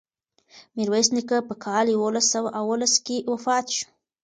میرویس نیکه په کال یوولس سوه اوولس کې وفات شو.